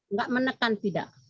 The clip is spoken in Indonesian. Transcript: nggak menekan tidak